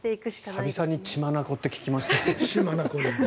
久々に血眼って聞きましたね。